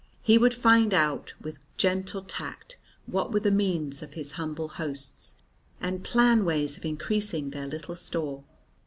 He would find out with gentle tact what were the means of his humble hosts, and plan ways of increasing their little store.